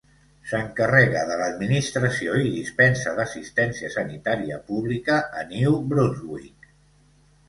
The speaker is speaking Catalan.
S'encarrega de l'administració i dispensa d'assistència sanitària pública a New Brunswick.